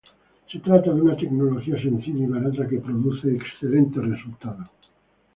Se trata de una tecnología sencilla y barata que produce excelentes resultados.